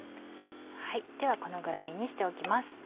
ではこのぐらいにしておきます。